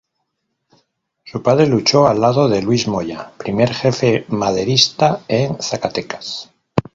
Su padre luchó al lado de Luis Moya, primer Jefe Maderista en Zacatecas.